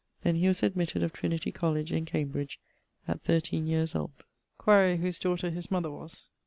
Then he was admitted of Trinity College in Cambridge at 13 yeares old. Quaere whose daughter his mother was.